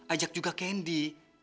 ajak juga candy